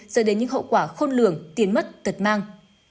do đến những hậu quả khôn lường tiến mất tật mang